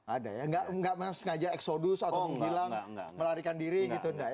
ada ya nggak sengaja eksodus atau menghilang melarikan diri gitu enggak ya